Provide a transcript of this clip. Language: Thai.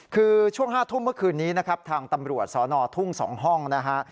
คือช่วง๕ทุ่มเมื่อคืนนี้นะครับทางตำรวจสนทุ่ง๒ห้องนะฮะ